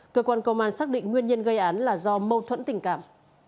cơ quan công an xác định nguyên nhân gây án là do mâu thuẫn tình cảm